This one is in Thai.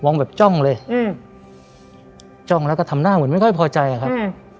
แบบจ้องเลยอืมจ้องแล้วก็ทำหน้าเหมือนไม่ค่อยพอใจอะครับอืม